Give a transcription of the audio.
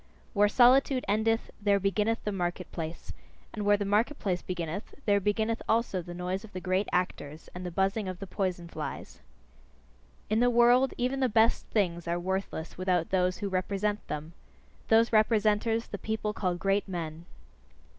Where solitude endeth, there beginneth the market place; and where the market place beginneth, there beginneth also the noise of the great actors, and the buzzing of the poison flies. In the world even the best things are worthless without those who represent them: those representers, the people call great men.